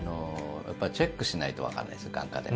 チェックしないとわからないですよ、眼科で。